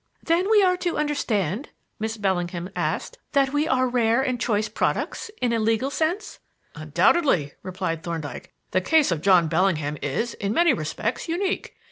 "Then are we to understand," Miss Bellingham asked, "that we are rare and choice products, in a legal sense?" "Undoubtedly," replied Thorndyke. "The case of John Bellingham is, in many respects, unique.